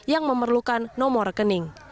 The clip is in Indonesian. yang memerlukan nomor rekening